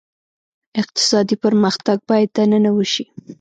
اقتصادي پرمختګ باید دننه وشي.